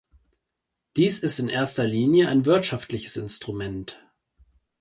Dies ist in erster Linie ein wirtschaftliches Instrument.